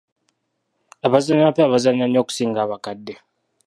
Abazannyi abapya bazannya nnyo okusinga abakadde.